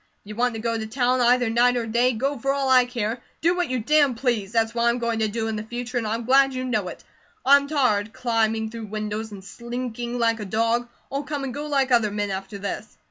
If you want to go to town, either night or day, go for all I care. Do what you damn please; that's what I am going to do in the future and I'm glad you know it. I'm tired climbing through windows and slinking like a dog. I'll come and go like other men after this."